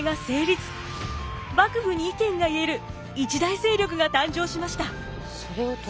幕府に意見が言える一大勢力が誕生しました。